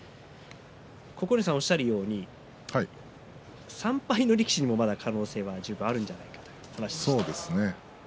九重さん、おっしゃるように３敗の力士にもまだ可能性は十分あるということですよね。